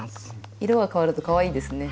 色がかわるとかわいいですね。